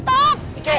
aduh kalian disini